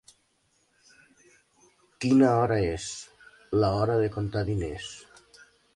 Quina hora és? —L'hora de comptar diners.